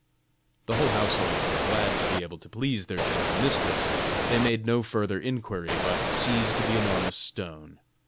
The whole household were glad to be able to please their gentle mistress; they made no further inquiry, but seized the enormous stone.